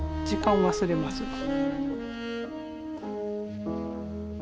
時間を忘れます。